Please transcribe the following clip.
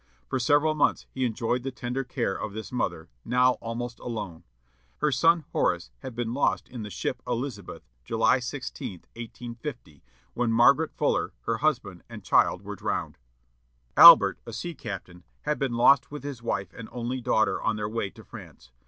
For several months he enjoyed the tender care of this mother, now almost alone. Her son Horace had been lost in the ship Elizabeth, July 16, 1850, when Margaret Fuller, her husband, and child were drowned. Albert, a sea captain, had been lost with his wife and only daughter on their way to France.